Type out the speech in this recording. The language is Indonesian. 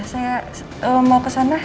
saya mau kesana